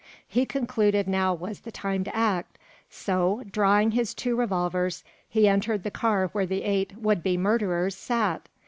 He concluded now was the time to act; so, drawing his two revolvers, he entered the car where the eight would be murderers sat.